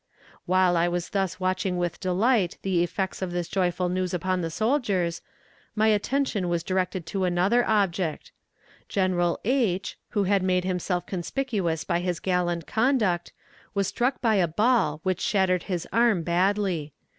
While I was thus watching with delight the effects of this joyful news upon the soldiers, my attention was directed to another object. General H., who had made himself conspicuous by his gallant conduct, was struck by a ball which shattered his arm badly.